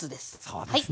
そうですね。